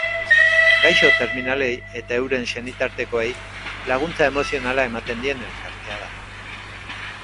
Gaixo terminalei eta euren senitartekoei laguntza emozionala ematen dien elkartea da.